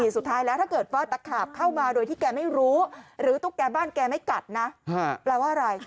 สุดท้ายแล้วถ้าเกิดว่าตะขาบเข้ามาโดยที่แกไม่รู้หรือตุ๊กแกบ้านแกไม่กัดนะแปลว่าอะไร